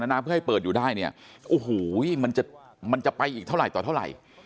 น้ำเพื่อให้เปิดอยู่ได้เนี่ยโอ้โหมันจะมันจะไปอีกเท่าไหร่ต่อเท่าไหร่